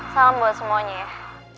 salam buat semuanya ya